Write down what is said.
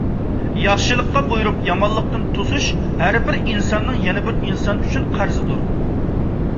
ياخشىلىققا بۇيرۇپ يامانلىقتىن توسۇش — ھەربىر ئىنساننىڭ يەنە بىر ئىنسان ئۈچۈن قەرزىدۇر.